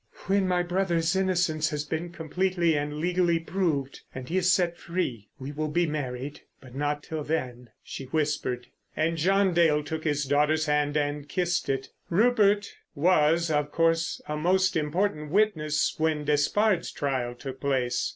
"When my brother's innocence has been completely and legally proved and he is set free we will be married, but not till then," she whispered. And John Dale took his daughter's hand and kissed it. Rupert was, of course, a most important witness when Despard's trial took place.